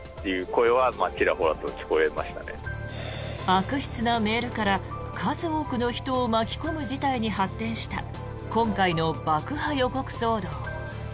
悪質なメールから数多くの人を巻き込む事態に発展した今回の爆破予告騒動。